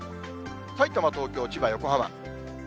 さいたま、東京、千葉、横浜。